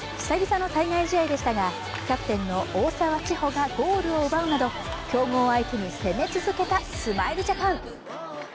久々の対外試合でしたが、キャプテンの大澤ちほがゴールを奪うなど強豪相手に攻め続けたスマイルジャパン。